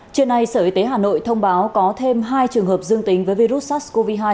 trưa nay sở y tế hà nội thông báo có thêm hai trường hợp dương tính với virus sars cov hai